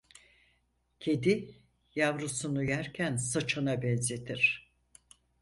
Kedi, yavrusunu yerken sıçana benzetir.